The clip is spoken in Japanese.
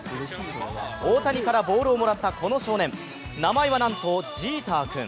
大谷からボールをもらったこの少年名前は、なんとジーター君。